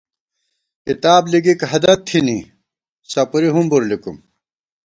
کِتاب لِکِک ہَدَت تھنی ، سپُوری ہُمبر لِکُم